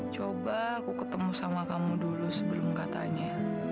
coba aku ketemu sama kamu dulu sebelum katanya